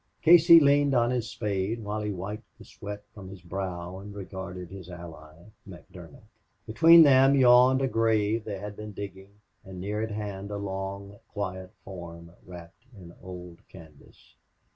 Casey leaned on his spade while he wiped the sweat from his brow and regarded his ally McDermott. Between them yawned a grave they had been digging and near at hand lay a long, quiet form wrapped in old canvas.